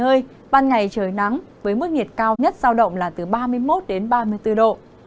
trong mưa vài nơi ban ngày trời nắng với mức nhiệt cao nhất giao động là từ ba mươi một đến ba mươi bốn độ